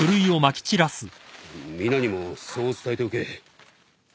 皆にもそう伝えておけ。